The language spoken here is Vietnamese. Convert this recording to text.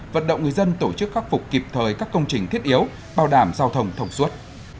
vận động người dân tổ chức khắc phục kịp thời các công trình thiết yếu bảo đảm giao thông thông suốt